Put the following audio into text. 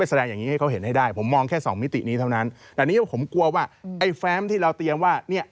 เพราะฉะนั้นผมกลัวว่าไอ้แฟมที่เราเตรียมว่า